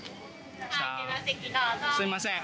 すみません。